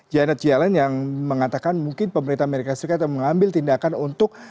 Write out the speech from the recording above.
janet yellen yang mengatakan mungkin pemerintah as yang mengambil tindakan untuk